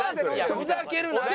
ふざけるなって。